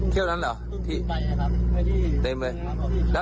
เที่ยวเดียวครับเที่ยวนั้นหรือ